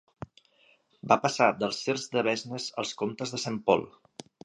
Va passar dels sirs d'Avesnes als comptes de Sain Pol.